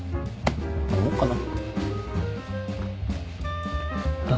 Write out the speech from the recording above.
頼もうかな？